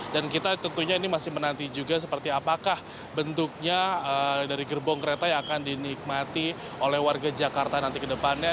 dan kita tentunya ini masih menanti juga seperti apakah bentuknya dari gerbong kereta yang akan dinikmati oleh warga jakarta nanti ke depannya